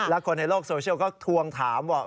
แล้วคนในโลกโซเชียลก็ทวงถามว่า